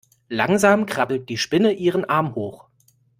Langsam krabbelt die Spinne ihren Arm hoch.